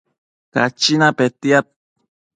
Cachina petiad